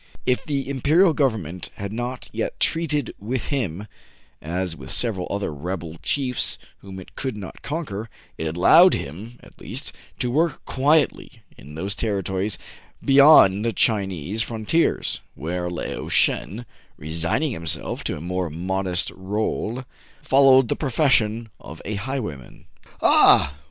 If the imperial government had not yet treated with him, as with several other rebel chiefs whom it could not conquer, it allowed him, at least, to work quiet ly in those territories beyond the Chinese fron tiers, where Lao Shen, resigning himself to a more modest roky followed the profession of highway man. Ah